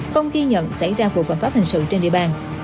không ghi nhận xảy ra vụ phạm pháp hình sự trên địa bàn